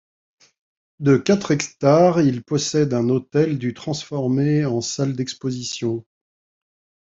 De quatre hectares, il possède un hôtel du transformé en salle d'exposition.